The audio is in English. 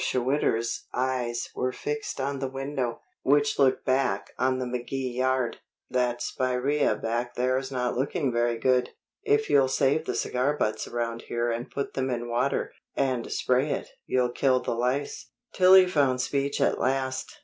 Schwitter's eyes were fixed on the window, which looked back on the McKee yard. "That spiraea back there's not looking very good. If you'll save the cigar butts around here and put them in water, and spray it, you'll kill the lice." Tillie found speech at last.